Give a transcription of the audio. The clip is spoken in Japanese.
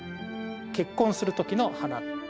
結婚する時の花。